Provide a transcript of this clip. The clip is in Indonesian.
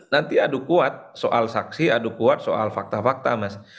nanti adu kuat soal saksi adu kuat soal fakta fakta mas